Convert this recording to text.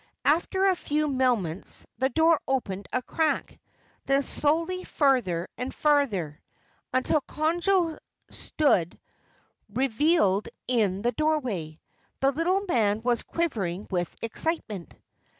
After a few moments the door opened a crack, then slowly farther and farther, until Conjo stood revealed in the doorway. The little man was quivering with excitement.